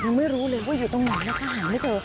ไม่รู้เลยว่าอยู่ตรงไหนนะคะหาไม่เจอ